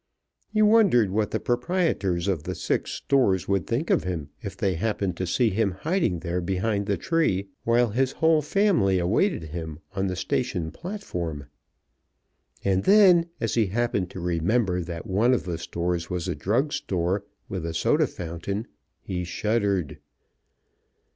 He wondered what the proprietors of the six stores would think of him if they happened to see him hiding there behind the tree, while his whole family awaited him on the station platform. And then, as he happened to remember that one of the stores was a drug store with a soda fountain, he shuddered.